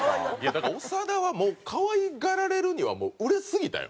だから長田はもう可愛がられるには売れすぎたよ。